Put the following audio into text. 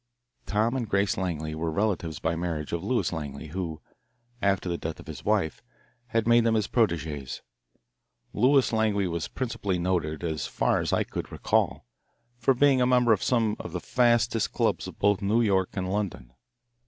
Tom and Grace Langley were relatives by marriage of Lewis Langley, who, after the death of his wife, had made them his proteges. Lewis Langley was principally noted, as far as I could recall, for being a member of some of the fastest clubs of both New York and London.